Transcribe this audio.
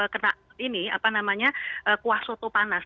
kena kuah soto panas